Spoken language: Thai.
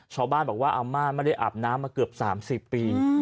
ชาวบ้านบอกว่าอาม่าในอาบน้ำเกือบ๓๐ปี